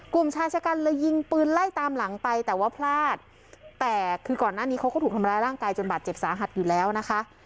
กลุ่มชายชะกันเลยยิงปืนไล่ตามหลังไปแต่ว่าพลาดแต่คือก่อนหน้านี้เขาก็ถูกทำร้ายร่างกายจนบาดเจ็บสาหัสอยู่แล้วนะคะ